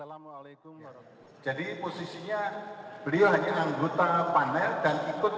assalamualaikum warahmatullahi wabarakatuh